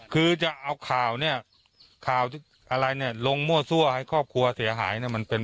คือจะเอาข่าวอะไรลงมั่วซั่วให้ครอบครัวเสียหาย